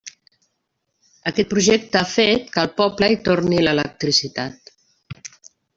Aquest projecte ha fet que al poble hi torni l'electricitat.